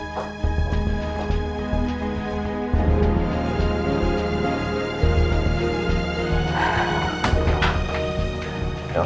biar mama cek dulu